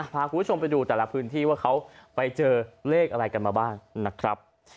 พาคุณผู้ชมไปดูแต่ละพื้นที่ว่าเขาไปเจอเลขอะไรกันมาบ้างนะครับ